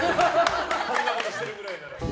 こんなことしてるくらいなら。